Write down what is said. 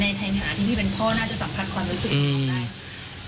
ในฐานะที่พี่เป็นพ่อน่าจะสัมผัสความรู้สึกของเขาได้